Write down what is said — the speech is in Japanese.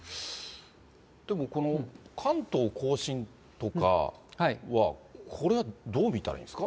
でも、この関東甲信とかは、これはどう見たらいいんですか？